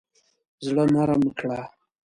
زړه نرم کړه.